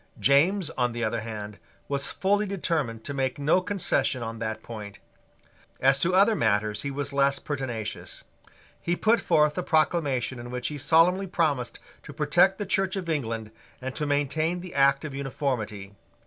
James, on the other hand, was fully determined to make no concession on that point. As to other matters he was less pertinacious. He put forth a proclamation in which he solemnly promised to protect the Church of England and to maintain the Act of Uniformity.